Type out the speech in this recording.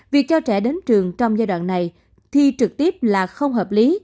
việc cho trẻ đến trường trong giai đoạn này thi trực tiếp là không hợp lý